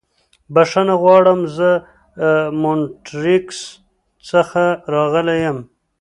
بښنه غواړم. زه د مونټریکس څخه راغلی یم.